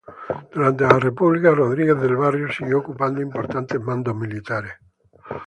Durante la República, Rodríguez del Barrio siguió ocupando importantes mandos militares.